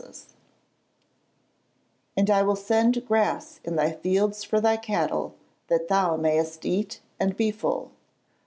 [Verse: "And I will send grass in thy fields for thy cattle, that thou mayest eat, and be full."